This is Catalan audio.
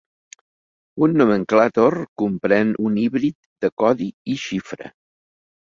Un nomenclàtor comprèn un híbrid de codi i xifra.